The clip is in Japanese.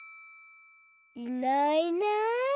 いないいない。